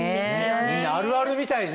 みんなあるあるみたいね。